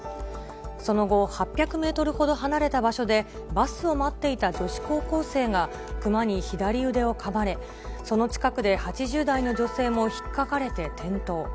その後、８００メートルほど離れた場所でバスを待っていた女子高校生がクマに左腕をかまれ、その近くで８０代の女性もひっかかれて転倒。